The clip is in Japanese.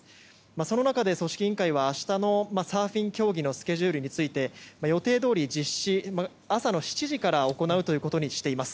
その中で組織委員会は明日のサーフィン競技のスケジュールについて予定どおり朝の７時から行うということにしています。